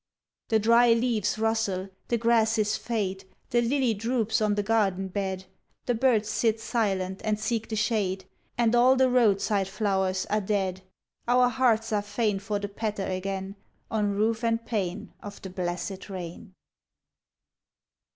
The dry leaves rustle, the grasses fade, The lily droops on tne garden bed, The birds sit silent and seek the shade, And all the roadside flowers are dead. Our hearts are fain for the patter again On roof and pane of the blessed rain.